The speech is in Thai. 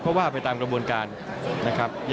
เพราะว่าไปตามกระบวนการนะครับ